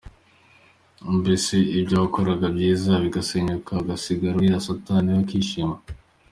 Mbese ibyo wakoraga byiza bigasenyuka ugasigara urira, satani we akishima.